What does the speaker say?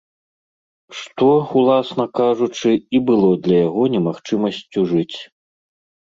Што, уласна кажучы, і было для яго немагчымасцю жыць.